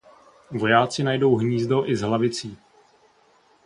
Vojáci najdou hnízdo i s hlavicí.